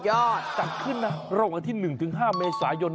อาจขึ้นนะรอบครัว๑๕เมศายน